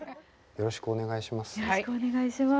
よろしくお願いします。